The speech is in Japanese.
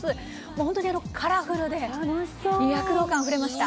本当にカラフルで躍動感あふれました。